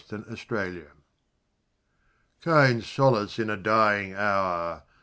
5 Autoplay Kind solace in a dying hour!